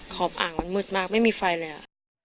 ขอบอ่างมันมืดมากไม่มีไฟเลยอ่ะ